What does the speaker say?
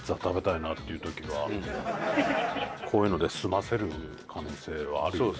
こういうので済ませる可能性はあるよね。